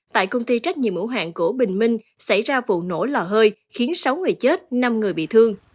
tại công ty trách nhiệm ủng hoạn gỗ bình minh xảy ra vụ nổ lò hơi khiến sáu người chết năm người bị thương